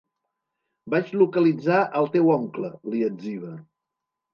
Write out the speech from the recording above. Vaig localitzar el teu oncle, li etziba.